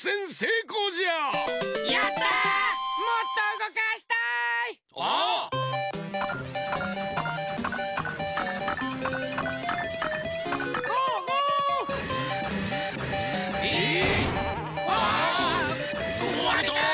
こわれた！